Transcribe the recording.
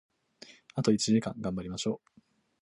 あと一時間、頑張りましょう！